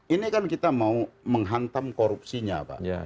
ini kan kita mau menghantam korupsinya pak